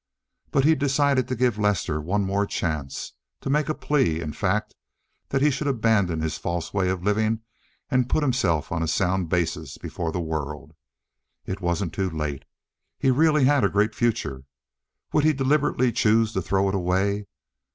But he decided to give Lester one more chance—to make a plea, in fact, that he should abandon his false way of living, and put himself on a sound basis before the world. It wasn't too late. He really had a great future. Would he deliberately choose to throw it away?